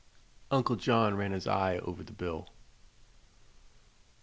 Uncle John ran his eye over the bill.